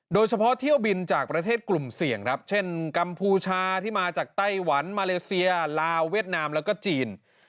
โดยเฉพาะเที่ยวบินจากประเทศกลุ่มเสี่ยงครับเช่นกัมพูชาที่มาจากไต้หวันมาเลเซียลาวเวียดนามแล้วก็จีน